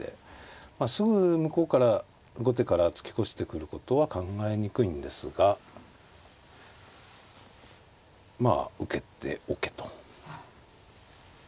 すぐ向こうから後手から突き越してくることは考えにくいんですがまあ受けておけと。